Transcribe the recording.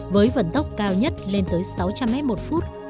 với vận tốc cao nhất lên tới sáu trăm linh mét một phút